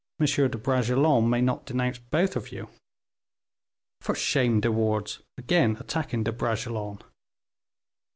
de Bragelonne may not denounce both of you." "For shame, De Wardes, again attacking De Bragelonne."